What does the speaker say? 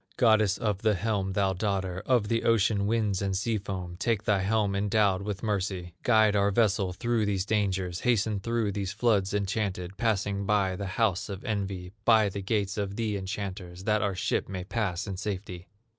Goddess of the helm, thou daughter Of the ocean winds and sea foam, Take thy helm endowed with mercy, Guide our vessel through these dangers, Hasten through these floods enchanted, Passing by the house of envy, By the gates of the enchanters, That our ship may pass in safety!